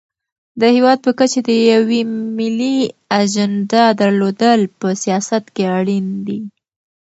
د هېواد په کچه د یوې ملي اجنډا درلودل په سیاست کې اړین دي.